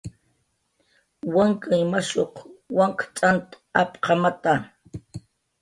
Wankay mashuq wank t'ant apqamata